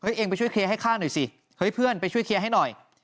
เฮ้ยเอ้ยไปช่วยเคลียร์ให้ข้าหน่อยเลยซิไปช่วยเทียร์ให้หน่อย